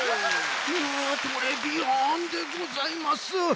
トレビアンでございます！